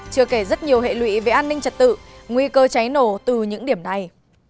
chưa kể rất nhiều hệ lụy về an ninh trật tự nguy cơ cháy nổ từ những điểm này